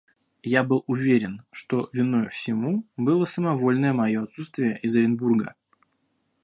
Я был уверен, что виною всему было самовольное мое отсутствие из Оренбурга.